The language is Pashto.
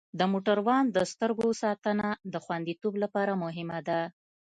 د موټروان د سترګو ساتنه د خوندیتوب لپاره مهمه ده.